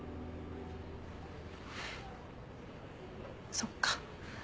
そっか。